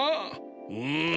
うん。